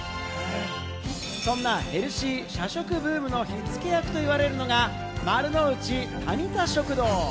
そんなヘルシー社食ブームの火付け役と言われるのが、丸の内タニタ食堂。